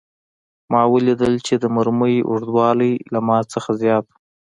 ما ولیدل چې د مرمۍ اوږدوالی له ما څخه زیات و